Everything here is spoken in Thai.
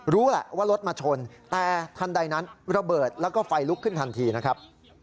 รู้แหละว่ารถมาชนแต่ทันใดนั้นระเบิดแล้วก็ไฟลุกขึ้นทันทีนะครับ